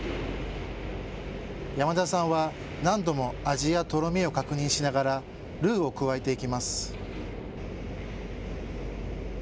山田さんは何度も味やとろみを確認しながらルーを加えていきます。